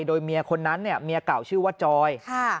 โดยเมียคนนั้นเนี่ยเมียเก่าชื่อว่าจอย